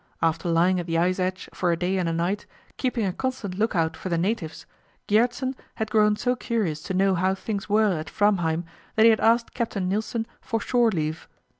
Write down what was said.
After lying at the ice edge for a day and a night, keeping a constant lookout for the "natives," Gjertsen had grown so curious to know how things were at Framheim that he had asked Captain Nilsen for "shore leave."